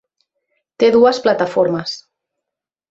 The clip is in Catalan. Té dues plataformes.